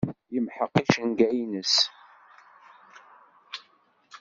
Yemḥeq icenga-nnes.